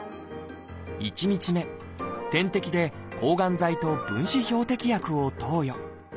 １日目点滴で抗がん剤と分子標的薬を投与。